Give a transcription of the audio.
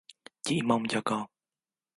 Chỉ mong cho con